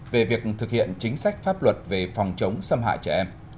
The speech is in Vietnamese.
về việc thực hiện chính sách pháp luật về phòng chống xâm hại trẻ em